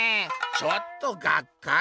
ちょっとがっかり」。